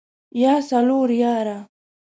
يا څلور ياره.